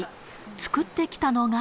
作ってきたのが。